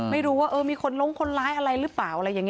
ไม่รู้ว่ามีคนลงคนร้ายอะไรหรือเปล่า